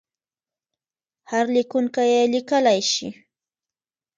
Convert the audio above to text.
هر لیکونکی یې لیکلای شي.